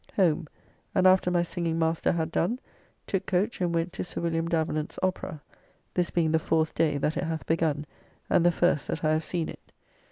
Home, and after my singing master had done, took coach and went to Sir William Davenant's Opera; this being the fourth day that it hath begun, and the first that I have seen it.